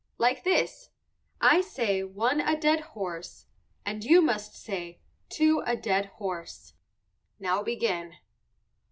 Like this. I say one a dead horse, and you must say two a dead horse. Now begin.